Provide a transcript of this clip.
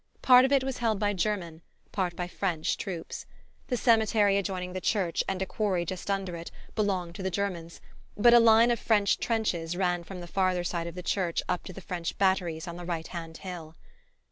Part of it was held by German, part by French troops. The cemetery adjoining the church, and a quarry just under it, belonged to the Germans; but a line of French trenches ran from the farther side of the church up to the French batteries on the right hand hill.